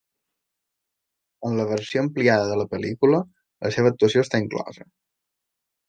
En la versió ampliada de la pel·lícula, la seva actuació està inclosa.